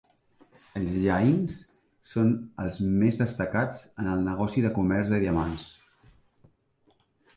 Els Jains són els més destacats en el negoci de comerç de diamants.